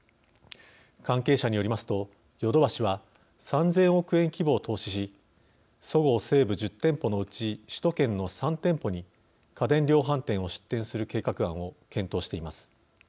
関係者によりますとヨドバシは３０００億円規模を投資しそごう・西武１０店舗のうち首都圏の３店舗に家電量販店を出店する計画案を検討しています。